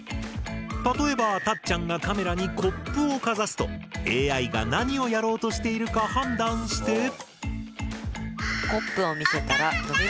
例えばたっちゃんがカメラにコップをかざすとＡＩが何をやろうとしているか判断して。